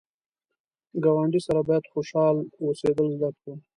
ګاونډي سره باید خوشحال اوسېدل زده کړو